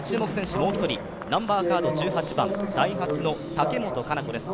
もう１人、ナンバーカード１８番ダイハツの竹本香奈子です。